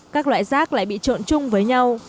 các loại rác lại bị trộn chung với nhau